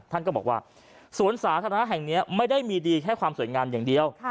ท่านก็บอกว่าสวนสาธารณะแห่งนี้ไม่ได้มีดีแค่ความสวยงามอย่างเดียว